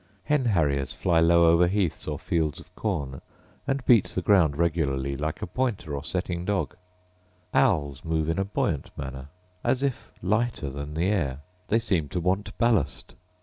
Hen harriers fly low over heaths or fields of corn, and beat the ground regularly like a pointer or setting dog. Owls move in a buoyant manner, as if lighter than the air; they seem to want ballast.